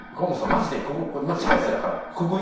マジでチャンスやから。